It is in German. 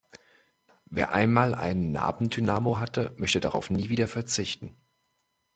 Wer einmal einen Nabendynamo hatte, möchte darauf nie wieder verzichten.